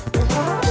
buka mau gue